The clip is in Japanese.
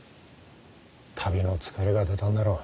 旅の疲れが出たんだろう。